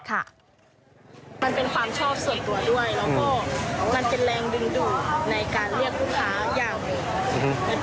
มันเป็นความชอบส่วนตัวด้วยแล้วก็มันเป็นแรงดึงดูดในการเรียกลูกค้าอย่างหนึ่ง